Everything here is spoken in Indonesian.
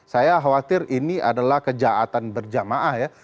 saya khawatir ini adalah kejahatan berjamaah ya